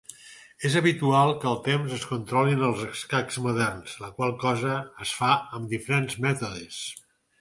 És habitual que el temps es controli en els escacs moderns, la qual cosa es fa amb diferents mètodes.